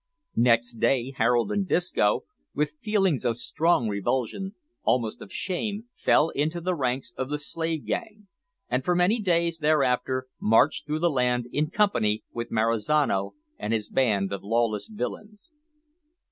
Next day Harold and Disco, with feelings of strong revulsion, almost of shame, fell into the ranks of the slave gang, and for many days thereafter marched through the land in company with Marizano and his band of lawless villains.